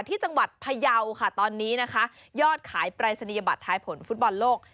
ที่จังหวัดพยาวค่ะตอนนี้นะคะยอดขายปรายศนียบัตรท้ายผลฟุตบอลโลก